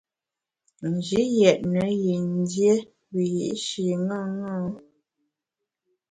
Nji yètne yin dié wiyi’shi ṅaṅâ.